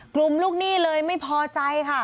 ลูกหนี้เลยไม่พอใจค่ะ